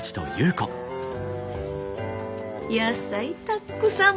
野菜たっくさん